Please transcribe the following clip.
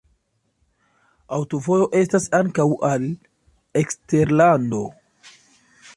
Aŭtovojo estas ankaŭ al eksterlando.